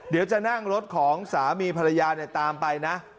เดี๋ยวจะนั่งรถของสามีภรรยาตามไปนะ